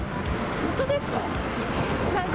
本当ですか？